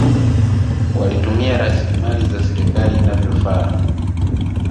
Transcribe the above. Walitumia rasilimali za serikali inavyofaa